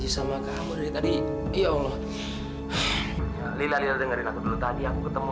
sampai jumpa di video selanjutnya